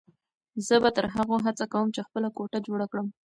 زه به تر هغو هڅه کوم چې خپله کوټه جوړه کړم.